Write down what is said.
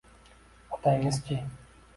Otangiz-chi?